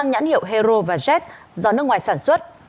hiệu hero và jet do nước ngoài sản xuất